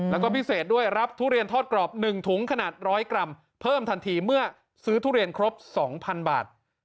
แล้วก็พิเศษด้วยรับทุเรียนทอดกรอบ๑ถุงขนาด๑๐๐กรัมเพิ่มทันทีเมื่อซื้อทุเรียนครบ๒๐๐๐บาท